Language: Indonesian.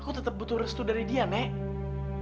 aku tetap butuh restu dari dia nek